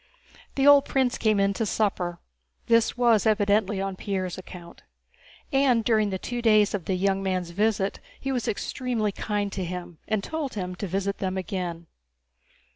The old prince came in to supper; this was evidently on Pierre's account. And during the two days of the young man's visit he was extremely kind to him and told him to visit them again.